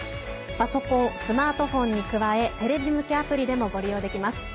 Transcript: パソコン、スマートフォンに加えテレビ向けアプリでもご利用できます。